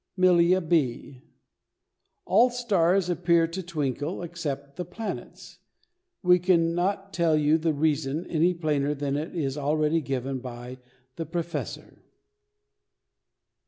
MILLIA B. All stars appear to twinkle except the planets. We can not tell the reason any plainer than it is already given by the "Professor."